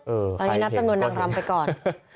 เอิ่มตอนนี้นับสำนวนนางรำต์ไปก่อน